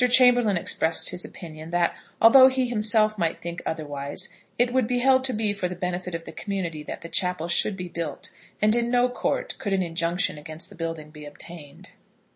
Chamberlaine expressed his opinion that, although he himself might think otherwise, it would be held to be for the benefit of the community that the chapel should be built, and in no court could an injunction against the building be obtained.